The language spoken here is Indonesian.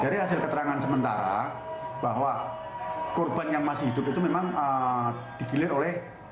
dari hasil keterangan sementara bahwa korban yang masih hidup itu memang digilir oleh